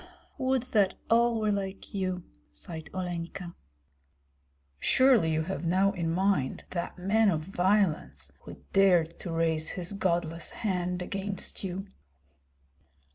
"Would that all were like you!" sighed Olenka. "Surely you have now in mind that man of violence who dared to raise his godless hand against you."